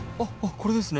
これですね。